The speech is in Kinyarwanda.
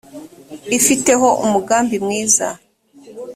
ifiteho umugambi mwiza.